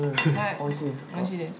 おいしいです。